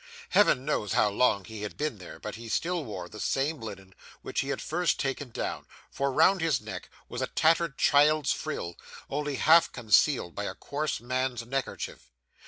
Heaven knows how long he had been there, but he still wore the same linen which he had first taken down; for, round his neck, was a tattered child's frill, only half concealed by a coarse, man's neckerchief.